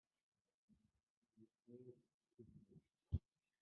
Ilaq ad yili d ujjuṛ s teblel.